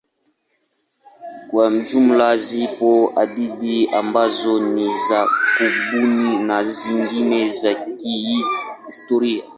Kwa jumla zipo hadithi ambazo ni za kubuni na zingine za kihistoria.